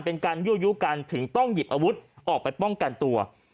เป็นการยั่วยู้กันถึงต้องหยิบอาวุธออกไปป้องกันตัว